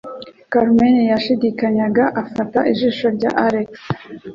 Carmen yashidikanyaga, afata ijisho rya Alex.